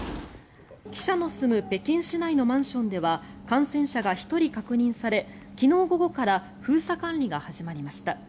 記者の住む北京市内のマンションでは感染者が１人確認され昨日午後から封鎖管理が始まりました。